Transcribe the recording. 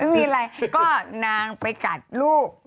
มีอะไรก็นางไปกัดลูก